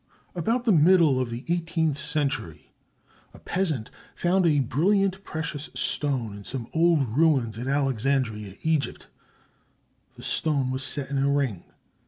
About the middle of the eighteenth century, a peasant found a brilliant precious stone in some old ruins at Alexandria, Egypt. This stone was set in a ring.